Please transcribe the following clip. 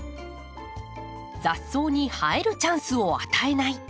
雑草に生えるチャンスを与えない！